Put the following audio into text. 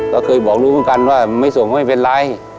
ก็เคยบอกลูกคุณกันว่าไม่ส่งไม่เป็นไร